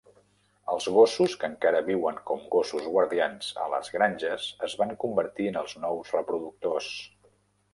Els gossos que encara viuen com gossos guardians a les granges es van convertir en els nous reproductors.